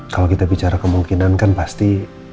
kalau kita bicara kemungkinan kan pasti